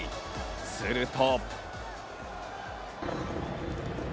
すると。